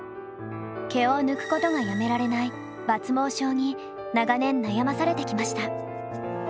毛を抜くことがやめられない抜毛症に長年悩まされてきました。